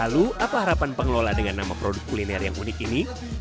lalu apa harapan pengelola dengan nama produk kuliner yang unik ini